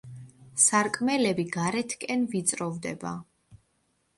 სარკმელები გარეთკენ ვიწროვდება.